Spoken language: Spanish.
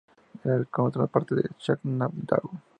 Era la contraparte de "SmackDown!